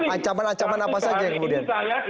ancaman ancaman apa saja yang kemudian